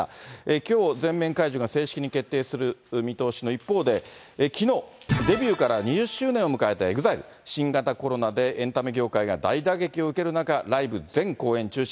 きょう、全面解除が正式に決定する見通しの一方で、きのう、デビューから２０周年を迎えたＥＸＩＬＥ。新型コロナでエンタメ業界が大打撃を受ける中、ライブ全公演中止。